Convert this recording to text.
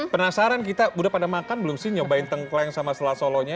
penasaran kita udah pada makan belum sih nyobain tengkleng sama sela solonya